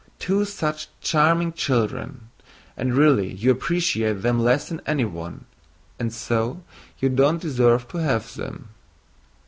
"Two such charming children. And really you appreciate them less than anyone, and so you don't deserve to have them."